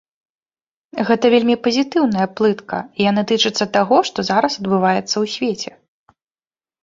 Гэта вельмі пазітыўная плытка, і яна тычыцца таго, што зараз адбываецца ў свеце.